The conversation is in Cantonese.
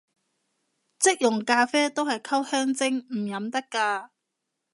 即溶咖啡都係溝香精，唔飲得咖